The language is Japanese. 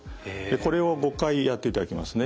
これを５回やっていただきますね。